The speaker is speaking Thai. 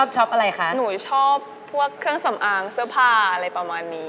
ชอบอะไรคะหนูชอบพวกเครื่องสำอางเสื้อผ้าอะไรประมาณนี้